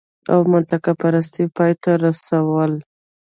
او منطقه پرستۍ پای ته رسول